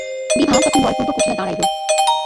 বিভা তখন বলপূর্বক উঠিয়া দাঁড়াইল।